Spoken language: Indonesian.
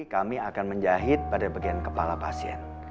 kami akan menjahit pada bagian kepala pasien